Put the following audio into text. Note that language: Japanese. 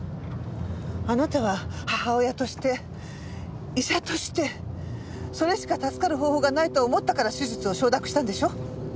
あなたは母親として医者としてそれしか助かる方法がないと思ったから手術を承諾したんでしょ？